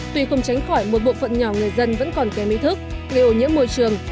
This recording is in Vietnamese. tuy không tránh khỏi một bộ phận nhỏ người dân vẫn còn kém ý thức gây ổn nhớ môi trường